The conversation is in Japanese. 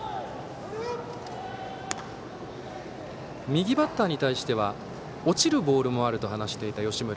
右バッターに対しては落ちるボールもあると話していた吉村。